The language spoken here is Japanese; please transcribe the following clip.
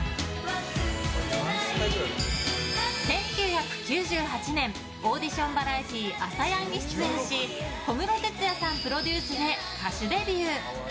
１９９８年オーディションバラエティー「ＡＳＡＹＡＮ」に出演し小室哲哉さんプロデュースで歌手デビュー。